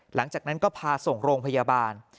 หลังจากนั้นก็พาส่งโรงพยาบาล